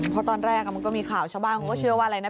เพราะตอนแรกมันก็มีข่าวชาวบ้านเขาก็เชื่อว่าอะไรนะ